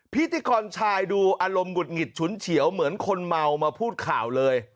พิธีกรชายดูอารมณ์หงุดหงิดฉุนเฉียวเหมือนคนเมามาพูดข่าวเลย